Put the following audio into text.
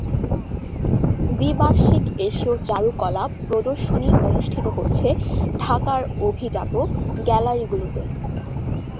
দ্বি-বার্ষিক এশীয় চারুকলা প্রদর্শনী অনুষ্ঠিত হচ্ছে ঢাকার অভিজাত গ্যালারিগুলিতে।